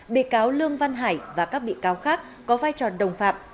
bị cáo lương văn hải và các bị cáo khác có vai trò đồng phạm